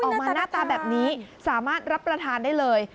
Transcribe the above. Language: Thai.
ออกมาหน้าตาแบบนี้สามารถรับประทานได้เลย